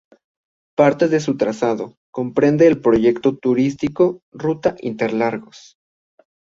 Parte de su trazado comprende el Proyecto Turístico "Ruta Interlagos".